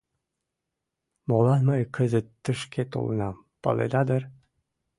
Молан мый кызыт тышке толынам, паледа дыр?